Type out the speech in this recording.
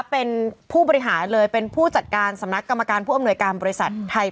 เป็นผู้บริหารเลยเป็นผู้จัดการสำนักกรรมการผู้อำนวยการบริษัทไทย